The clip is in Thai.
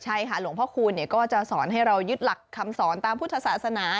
ใช่ค่ะหลวงพ่อคูณก็จะสอนให้เรายึดหลักคำสอนตามพุทธศาสนา